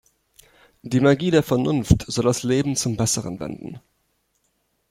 Die Magie der Vernunft soll das Leben zum Besseren wenden.